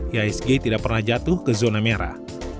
ihsg tidak pernah jatuh ke zona merah